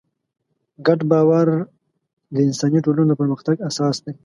ګډ باور د انساني ټولنو د پرمختګ اساس دی.